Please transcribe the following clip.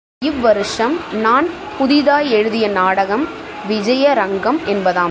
இவ் வருஷம் நான் புதிதாய் எழுதிய நாடகம் விஜய ரங்கம் என்பதாம்.